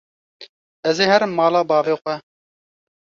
Ez ê herim mala bavê xwe.